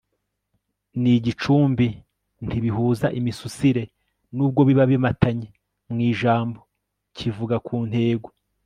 n'igicumbi ntibihuza imisusire n'ubwo biba bimatanye mu ijambo. kivuga ku ntego